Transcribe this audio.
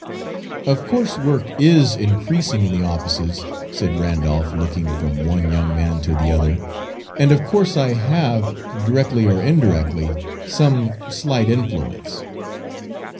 "Of course work is increasing in the offices," said Randolph, looking from one young man to the other; "and of course I have, directly or indirectly, some slight 'influence.'"